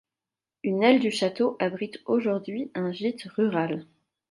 Une aile du château abrite aujourd'hui un gîte rural.